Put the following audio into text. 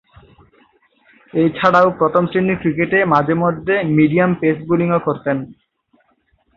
এছাড়াও প্রথম-শ্রেণীর ক্রিকেটে মাঝে-মধ্যে মিডিয়াম পেস বোলিং করতেন।